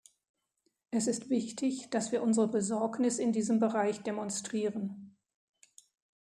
Es ist wichtig, dass wir unsere Besorgnis in diesem Bereich demonstrieren.